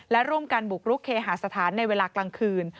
และร่วมกันบุกรุกเคหาสถานในเวลากลางคืน